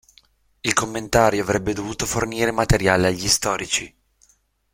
Il commentario avrebbe dovuto fornire materiale agli storici.